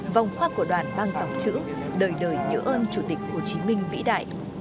vòng hoa của đoàn mang dòng chữ đời đời nhớ ơn chủ tịch hồ chí minh vĩ đại